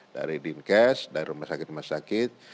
dari dinkes dari rumah sakit rumah sakit